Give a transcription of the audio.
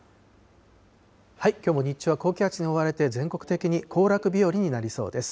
きょうも日中は高気圧に覆われて、全国的に行楽日和になりそうです。